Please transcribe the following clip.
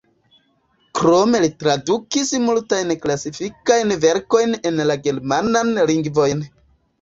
Krome li tradukis multajn klasikajn verkojn en la germanan lingvon.